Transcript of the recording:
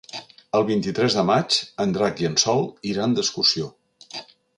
El vint-i-tres de maig en Drac i en Sol iran d'excursió.